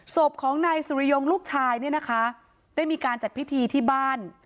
ศพของนายสุริยงลูกชายเนี่ยนะคะได้มีการจัดพิธีที่บ้าน